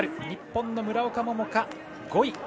日本の村岡桃佳、５位。